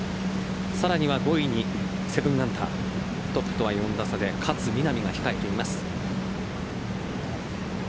さらには５位に７アンダートップとは４打差で勝みなみが控えています。